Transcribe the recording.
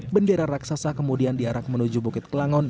bendera raksasa kemudian diarak menuju bukit kelangon